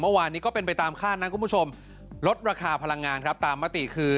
เมื่อวานนี้ก็เป็นไปตามคาดนะคุณผู้ชมลดราคาพลังงานครับตามมติคือ